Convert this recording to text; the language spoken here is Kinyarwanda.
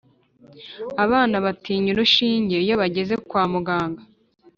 abana batinya urushinge iyo bageze kwamuganga